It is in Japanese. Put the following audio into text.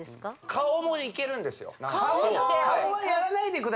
顔もいけるんですよ